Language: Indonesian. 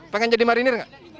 pengen jadi marinir nggak